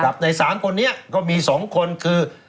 ครับในสารคนนี้ก็มีสองคนคือ